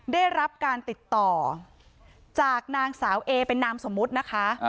ได้รับการติดต่อจากนางสาวเอเป็นนามสมมุตินะคะ